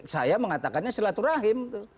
saya mengatakannya silaturahim